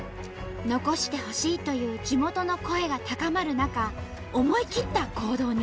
「残してほしい」という地元の声が高まる中思い切った行動に。